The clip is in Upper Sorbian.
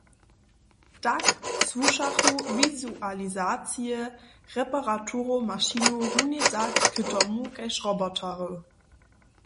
Tak słušachu wizualizacije reparaturow mašinow runje tak k tomu kaž robotery.